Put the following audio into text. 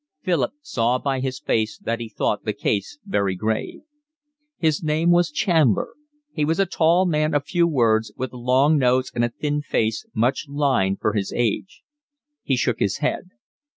Philip saw by his face that he thought the case very grave. His name was Chandler. He was a tall man of few words, with a long nose and a thin face much lined for his age. He shook his head.